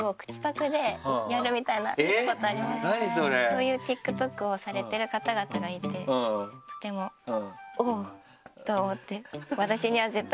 そういうＴｉｋＴｏｋをされてる方々がいてとても「おぉ！」と思って。